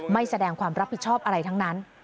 แสดงความรับผิดชอบอะไรทั้งนั้น